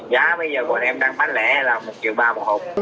giá bây giờ bọn em đang bán lẻ là một triệu ba một hộp